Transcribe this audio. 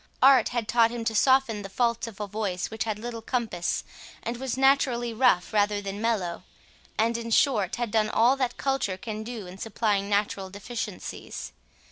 Art had taught him to soften the faults of a voice which had little compass, and was naturally rough rather than mellow, and, in short, had done all that culture can do in supplying natural deficiencies.